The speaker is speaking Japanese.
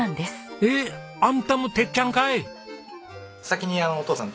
えっあんたも鉄ちゃんかい！